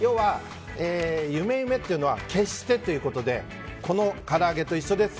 努努というのは決してということでこのから揚げと一緒です。